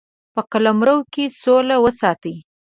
په قلمرو کې سوله وساتي.